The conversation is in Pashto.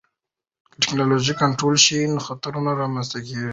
که ټکنالوژي کنټرول نشي، خطرونه رامنځته کېږي.